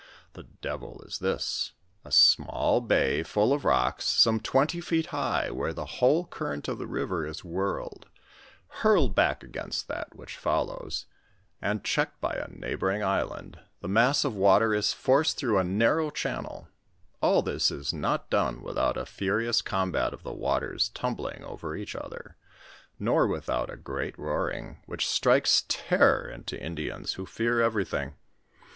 The devil is this — a small bay, full of rocks, some twenty feet high, where the whole current of the river is whirled ; hurled back against that which follows, and checked by a neighboring island, the mass of water is forced through a narrow channel ; all this is not done without a furious com bat of the waters tumbling over each other, nor without a great roaring, which strikes terror into Indians who fear everything.